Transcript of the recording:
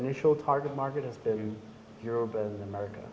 pasar target kita adalah eropa dan amerika